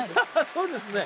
そうですね。